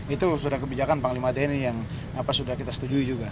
itu sudah kebijakan panglima tni yang sudah kita setuju juga